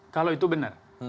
kalau itu benar